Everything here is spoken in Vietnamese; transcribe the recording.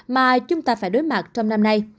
mà chúng ta phải đối mặt trong năm nay